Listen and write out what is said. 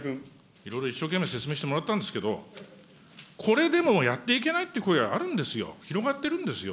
いろいろ一生懸命説明してもらったんですけど、これでもやっていけないという声があるんですよ、広がってるんですよ。